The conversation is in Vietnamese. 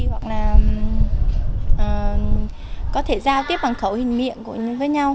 hoặc là có thể giao tiếp bằng khẩu hình miệng với nhau